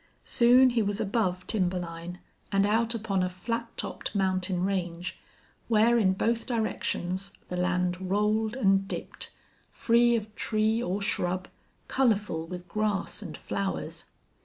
Soon he was above timber line and out upon a flat topped mountain range, where in both directions the land rolled and dipped, free of tree or shrub, colorful with grass and flowers.